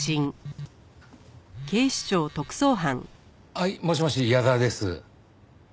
はいもしもし矢沢です。